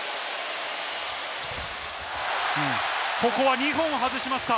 ここは２本外しました。